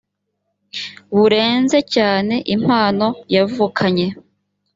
burenze cyane impano yavukanye